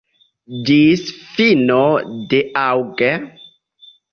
Ĝis fino de aŭg.